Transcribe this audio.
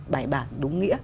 bài bản đúng nghĩa